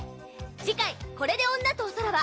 次回「これで女とおさらば？」